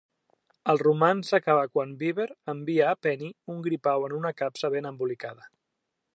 El romanç s'acaba quan Beaver envia a Penny un gripau en una capsa ben embolicada.